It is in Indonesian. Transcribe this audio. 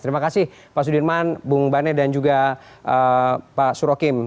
terima kasih pak sudirman bung bane dan juga pak surokim